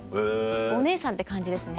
お姉さんって感じですね。